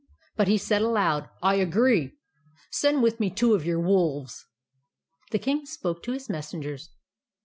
But he said aloud :—" I agree. Send with me two of your wolves." The King spoke to his Messengers.